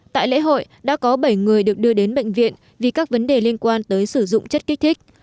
tại lễ hội đã có bảy người được đưa đến bệnh viện vì các vấn đề liên quan tới sử dụng chất kích thích